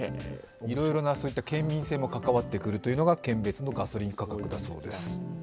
いろいろなそういった県民性も関わってくるのが、県別のガソリン価格だそうです。